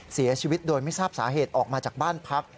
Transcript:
เสียชีวิตโดยไม่ทราบสาเหตุออกมาจากบ้านพัก